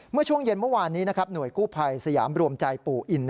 เมื่อช่วงเย็นเมื่อวานนี้หน่วยกู้ภัยสยามรวมใจปู่อิน